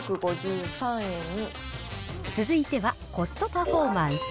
続いては、コストパフォーマンス。